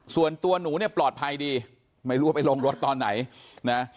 ส่วนตัวหนูเนี่ยปลอดภัยดีไม่รู้ว่าไปลงรถตอนไหนนะ